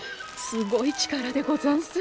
すごい力でござんす。